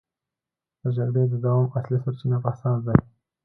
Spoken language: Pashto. د جګړې د دوام اصلي سرچينه فساد دی.